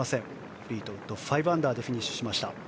フリートウッド５アンダーでフィニッシュ。